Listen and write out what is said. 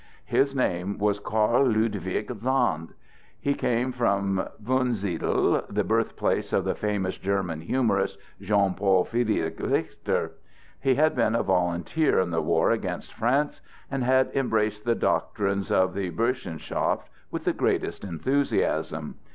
His name was Carl Ludwig Sand; he came from Wunsiedel, the birthplace of the famous German humorist, Jean Paul Friedrich Richter. He had been a volunteer in the war against France and had embraced the doctrines of the Burschenschaft with the greatest enthusiasm.